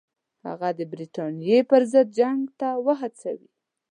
هغه د برټانیې پر ضد جنګ ته وهڅوي.